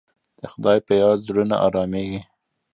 د خدای په یاد زړونه ارامېږي.